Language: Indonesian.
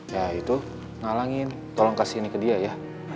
ya itu ngalangin tolong kasih ini ke dia ya